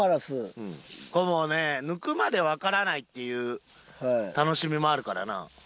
このね抜くまでわからないっていう楽しみもあるからな。